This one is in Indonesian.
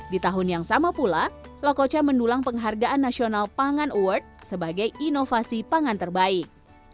di tahun yang sama pula lokoca mendulang penghargaan nasional pangan award sebagai inovasi pangan terbaik